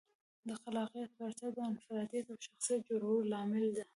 د خلاقیت پیاوړتیا د انفرادیت او شخصیت د جوړولو لامل ده.